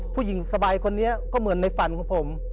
ผู้หญิงสบายคนนี้ก็เหมือนในฝันของผม